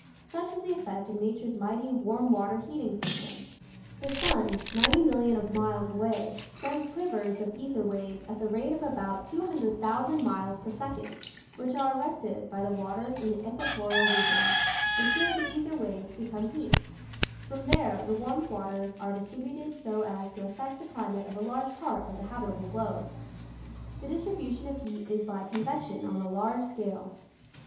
Such is the effect of nature's mighty warm water heating system. (~~|, Original from :{<~ UNIVERSITY OF WISCONSIN Diffusion of f)eat. 147 The sun, 90,000,000 of miles away, sends quivers of ether waves at the rate of about 200,000 miles per second, which are arrested by the waters in the equatorial regions, and here the ether waves become heat. From there the warmed waters are distributed so as to affect the climate of a large part of the habit able globe. The distribution of heat is by con vection on a large scale.